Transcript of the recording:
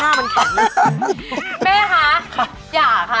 แม่คะอย่าค่ะ